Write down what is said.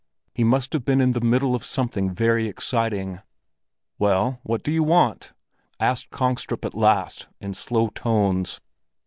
He must have been in the middle of something very exciting. "Well, what do you want?" asked Kongstrup at last in slow tones.